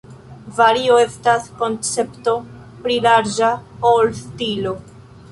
Vario estas koncepto pli larĝa ol stilo.